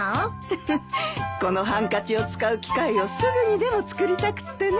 フフッこのハンカチを使う機会をすぐにでもつくりたくってね。